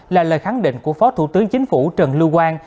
là lời khẳng định của phó thủ tướng chính phủ trần lưu quang